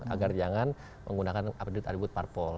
agar jangan menggunakan atribut atribut parpol